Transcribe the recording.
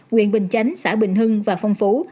quyện bình chánh xã bình hưng và phong phú